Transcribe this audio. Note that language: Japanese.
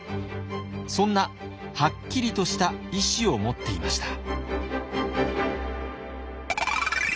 そんなはっきりとした意志を持っていました。